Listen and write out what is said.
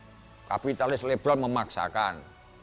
ya itu kapitalis liberal memaksakan